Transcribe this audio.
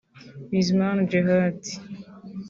Bizimana Djihad